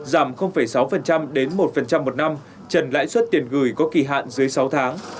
giảm sáu đến một một năm trần lãi suất tiền gửi có kỳ hạn dưới sáu tháng